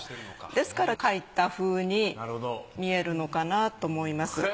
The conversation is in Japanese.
ですから描いたふうに見えるのかなと思います。